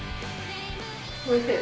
おいしい？